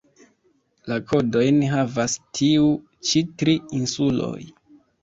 La kodojn havas tiu ĉi tri insuloj.